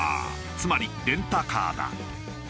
つまりレンタカーだ。